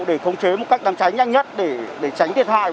để khống chế một cách đám cháy nhanh nhất để tránh thiệt hại